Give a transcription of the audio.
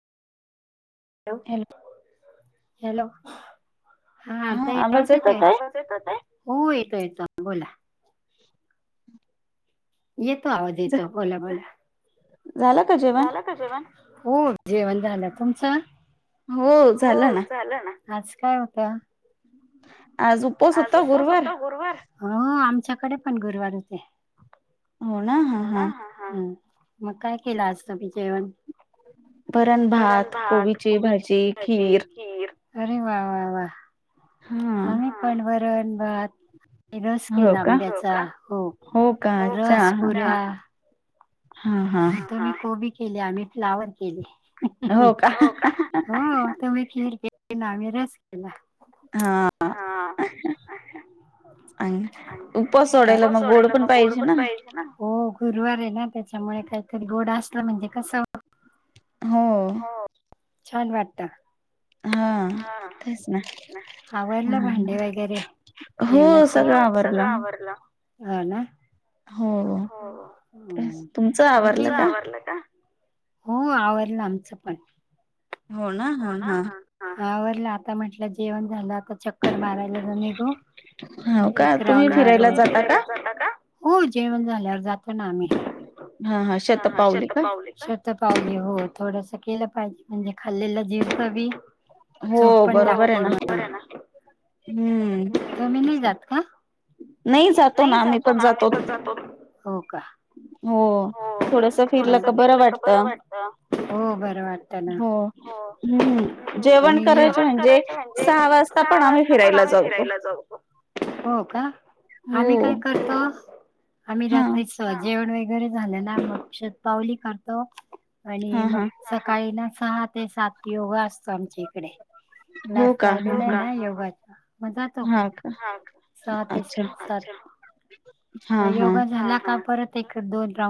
Hello, hello. हा आत आवाज येतोय आवाज येतोय हो येतो येतो बोला. येतो आवाज येतो बोला बोला. झालं का जेवण? हो जेवण झालं तुमचं. हो झालं ना. आज काय होतं. आज उपवास होता गुरुवार. हो आमच्याकडे पण गुरुवार होते. हो ना. मग काय केलं आज तुम्ही जेवण? वरण - भात, कोबीची भाजी, खीर. अरे वा वा वा! आम्ही पण वरण भात रस केला आंब्याचा, हो का? हो रस पुऱ्या. हा हा. केली आम्ही फ्लावर केली, हो का? हो तुम्ही खीर के लेकीन आम्ही रस केला. हा. आणि उपास सोडायला मग गोड पण पाहिजे ना. गुरुवार आहे ना त्याच्यामुळे काहीतरी गोड असला म्हणजे कसं हो. छान वाटत. हा, आवरल भांडे वगैरे. जेवणाचे कस आवरलं, हा ना. हो, तुमचं आवरारलं का? हो आवरडलं आमचं पण. हो ना हा हा. आवरलं आता म्हटलं जेवण झालं आता चक्कर मारायला निघू, एक राऊंड मारुया. हो जेवण झाल्यावर जाते. पण आम्ही, हा हा शत पावली काय? शत पावली हो. थोडंस केलं पाहिजे म्हणजे खालेल जिर्तबी झोपन लागते, हो बरोबर हे ना. तुम्ही नाही जात का? नाही जातो ना आम्ही पण जातो. हो का? हो थोडस फिरलं का बरं वाटत, हो बरं वाटत ना. हम्म, जेवण करायच म्हणजे सहा वाजता पण आम्ही फिरा पण आम्ही फिरायला जाऊ. हो का? आम्ही काय करतो आम्ही रात्रीच जेवण वगैरे वगैरे झाल ना म पावली करतो आणि मग सकाळी ना सगळे सहा ते सात योगा असतो आमच्या इकडे कालल्स लावलेला आहे ना योगा [unintelligible] मग योगा झाला का परत एक दोन राऊंड